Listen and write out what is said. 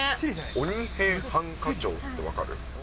鬼平犯科帳って分かる？